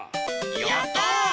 やった！